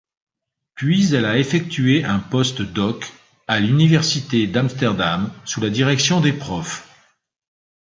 Puis elle a effectué un post-doc à l'université d'Amsterdam sous la direction des Prof.